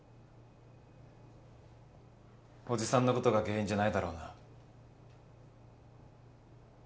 おじさんのことが原因じゃないだろうな？